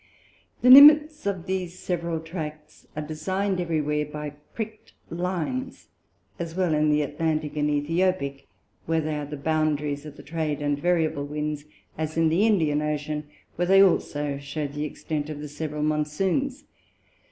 The Limits of these several Tracts are design'd every where by prickt Lines, as well in the Atlantick and Æthiopick, where they are the boundaries of the Trade and variable Winds, as in the Indian Ocean, where they also shew the Extent of the several Monsoons.